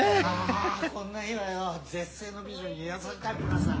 あこんな日はよ絶世の美女に癒やされたいブラザー。